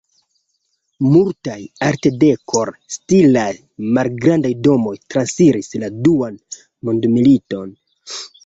Multaj Artdekor-stilaj malgrandaj domoj transiris la Duan Mondmiliton.